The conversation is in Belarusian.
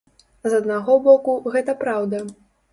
З аднаго боку, гэта праўда.